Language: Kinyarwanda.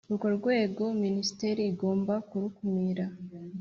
urwo rwego Minisiteri igomba kurkumira